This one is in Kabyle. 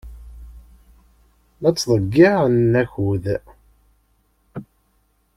La ttḍeyyiɛen akud.